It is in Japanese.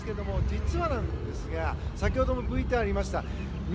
実はですが先ほどもＶＴＲがありました。